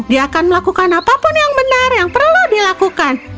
dia akan melakukan apapun yang benar yang perlu dilakukan